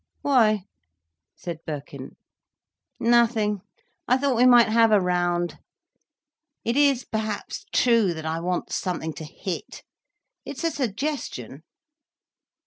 "Why?" said Birkin. "Nothing. I thought we might have a round. It is perhaps true, that I want something to hit. It's a suggestion."